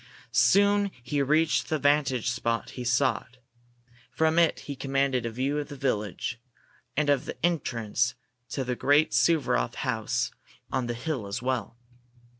Soon he reached the vantage spot he sought. From it he commanded a view of the village, and of the entrance to the great Suvaroff house on the hill as well.